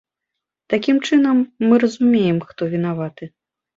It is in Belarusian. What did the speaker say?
Такім чынам, мы разумеем, хто вінаваты.